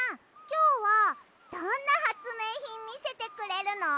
きょうはどんなはつめいひんみせてくれるの？